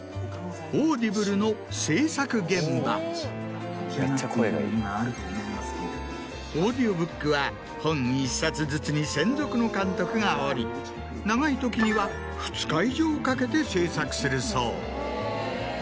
オーディオブックは本１冊ずつに専属の監督がおり長いときには２日以上かけて制作するそう。